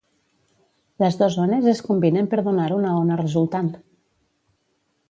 Les dos ones es combinen per donar una ona resultant.